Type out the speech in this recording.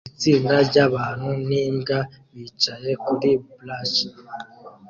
Itsinda ryabantu nimbwa bicaye kuri blachers